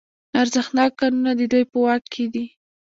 ارزښتناک کانونه د دوی په واک کې دي